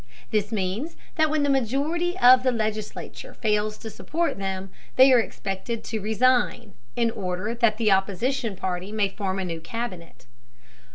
This means that when the majority of the legislature fails to support them they are expected to resign, in order that the opposition party may form a new Cabinet.